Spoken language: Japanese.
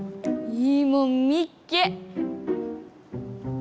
いいもんみっけ。